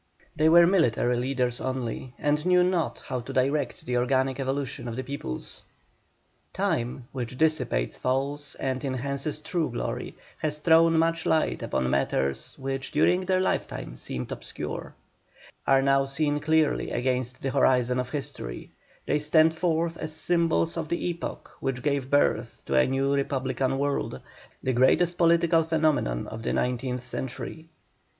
They were military leaders only, and knew not how to direct the organic evolution of the peoples. Time, which dissipates false and enhances true glory, has thrown much light upon matters which during their lifetime seemed obscure. Their outlines are now seen clearly against the horizon of history; they stand forth as symbols of the epoch which gave birth to a new republican world, the greatest political phenomenon of the nineteenth century.